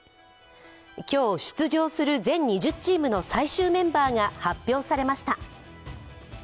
今日、出場する全２０チームの最終メンバーが発表されました。